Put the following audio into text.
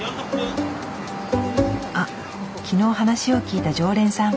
あっ昨日話を聞いた常連さん。